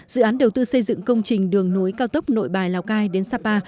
dự án đầu tư xây dựng công trình đường nối cao tốc nội bài lào cai đến sapa